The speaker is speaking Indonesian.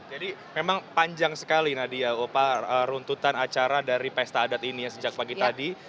jadi memang panjang sekali nadia opa runtutan acara dari pesta adat ini ya sejak pagi tadi